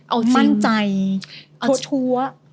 เอาจริงมั่นใจชั่ว